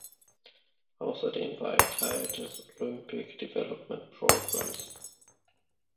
Außerdem war er Teil des Olympic Development Programs.